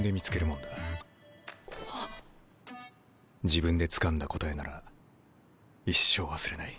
自分でつかんだ答えなら一生忘れない。